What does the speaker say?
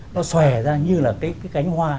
nó xòe ra như là cái cánh hoa